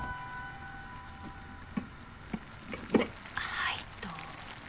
はいどうぞ。